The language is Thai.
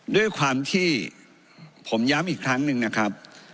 ด้วยความที่ผมย้ำอีกครั้งหนึ่งนะครับ